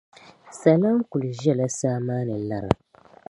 Salam kuli ʒɛla saa maa ni lara.